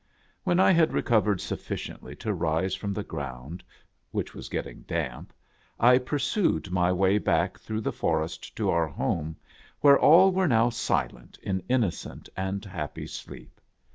When I had recovered sufficiently to rise from the ground, which was getting damp, I pursued my way back through the forest 'to our home, where all now were silent in innocent and happy sleep.